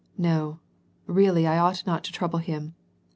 No, really 1 ought not to trouble him.